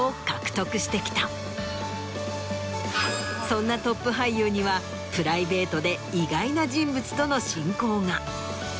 そんなトップ俳優にはプライベートで意外な人物との親交が。